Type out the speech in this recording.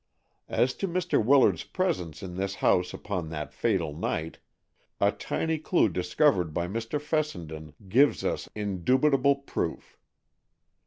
As to Mr. Willard's presence in this house upon that fatal night, a tiny clue discovered by Mr. Fessenden gives us indubitable proof.